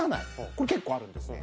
これ結構あるんですね。